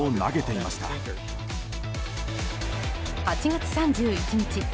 ８月３１日